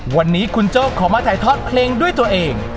วันนี้คุณโจ้ขอมาถ่ายทอดเพลงด้วยตัวเอง